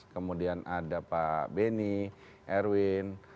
kemudian ada pak beni erwin